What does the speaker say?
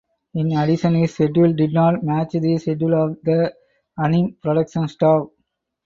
In addition his schedule did not match the schedule of the anime production staff.